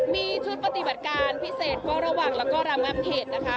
ที่ชุดปฏิบัติการพิเศษพ่อระหว่างแล้วก็รำนำเขตนะคะ